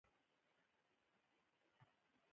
د نیپټون بادونه ډېر تېز دي.